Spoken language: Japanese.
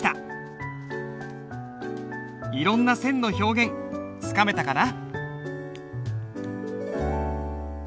いろんな線の表現つかめたかな？